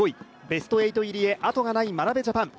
ベスト８入りへあとがない眞鍋ジャパン。